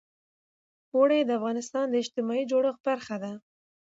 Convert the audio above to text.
اوړي د افغانستان د اجتماعي جوړښت برخه ده.